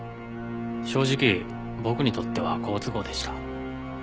正直僕にとっては好都合でした。